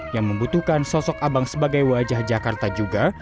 yang membutuhkan sosok abang sebagai wajah jakarta juga